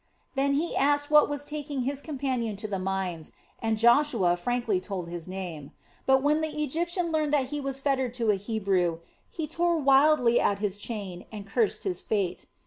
Then he asked what was taking his companion to the mines, and Joshua frankly told his name. But when the Egyptian learned that he was fettered to a Hebrew, he tore wildly at his chain and cursed his fate.